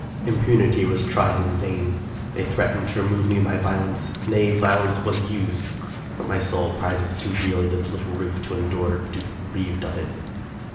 Importunity was tried in vain. They threatened to re move me by violence, — nay, violence was used ; but my soul prizes too dearly this little roof to endure to be bereaved of it.